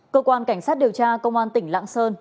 cơ quan cảnh sát điều tra công an tỉnh lạng sơn